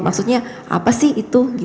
maksudnya apa sih itu